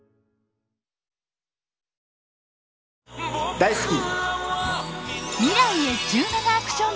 大好き！